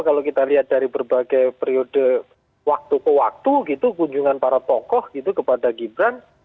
kalau kita lihat dari berbagai periode waktu ke waktu gitu kunjungan para tokoh gitu kepada gibran